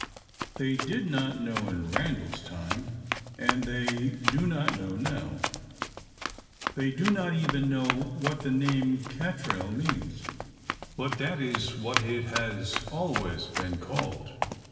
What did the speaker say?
They did not know in Randal's time, and they do not know now. They do not even know what the name Catrail means, but that is what it has always been called.